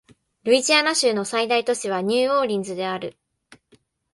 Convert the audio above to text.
ルイジアナ州の最大都市はニューオーリンズである